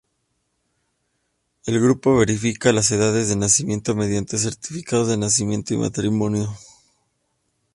El grupo verifica las edades de nacimiento mediante certificados de nacimiento y de matrimonio.